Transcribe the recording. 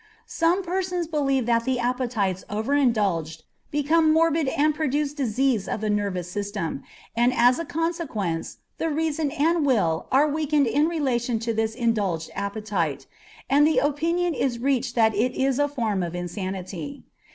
Some persons believe that the appetites over indulged become morbid and produce disease of the nervous system, and as a consequence the reason and will are weakened in relation to this indulged appetite, and the opinion is reached that it is a form of insanity.